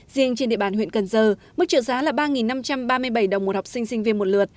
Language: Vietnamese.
riêng trên địa bàn huyện cần giờ mức trợ giá là ba năm trăm ba mươi bảy đồng một học sinh sinh viên một lượt